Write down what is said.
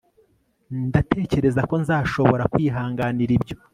Ndatekereza ko nzashobora kwihanganira ibyo